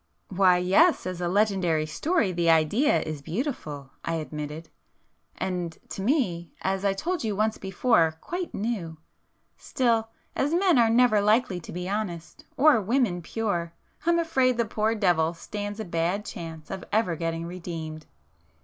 "Why yes, as a legendary story the idea is beautiful,"—I admitted—"And to me, as I told you once before, quite new. Still, as men are never likely to be honest or women pure, I'm afraid the poor devil stands a bad chance of ever getting redeemed!"